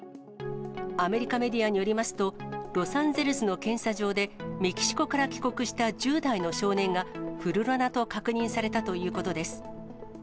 アメリカメディアによりますと、ロサンゼルスの検査場でメキシコから帰国した１０代の少年がフルロナと確認されたということです。